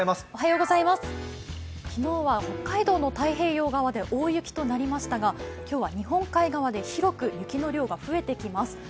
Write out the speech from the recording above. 昨日は北海道の太平洋側で大雪となりましたが今日は日本海側で広く雪の量が増えてきます。